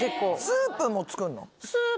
スープも作るの？